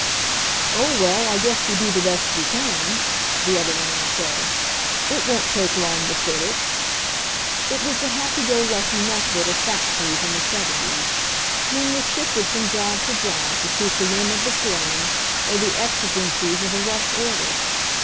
"Oh, well, I guess we do the best we can," the other man said. "It won't take long to fit it" AN EXACTING ROUTINE 25 It was the happy go lucky method of factories in the seventies. Men were shifted from job to job to suit the whim of the foreman or the exigencies of a rush order.